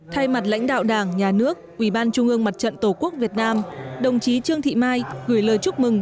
thay mặt lãnh đạo đảng nhà nước ủy ban trung ương mặt trận tổ quốc việt nam đồng chí trương thị mai gửi lời chúc mừng